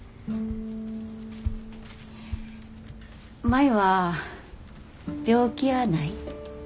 舞は病気やない。